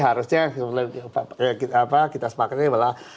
harusnya kita sepakatnya